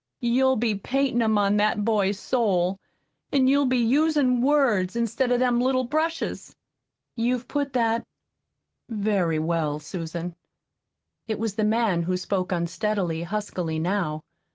You'll be paintin' 'em on that boy's soul, an' you'll be usin' words instead of them little brushes." "You've put that very well, Susan." It was the man who spoke unsteadily, huskily, now.